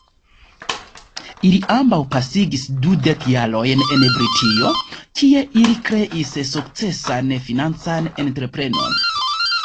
Ili ambaŭ pasigis dudek jarojn en Britio, kie ili kreis sukcesan financan entreprenon.